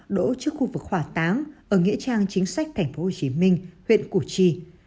đổ trước khu vực hỏa táng ở nghĩa trang chính sách tp hcm huyện củ chi